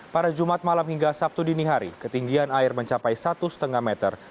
pada jumat malam hingga sabtu dini hari ketinggian air mencapai satu lima meter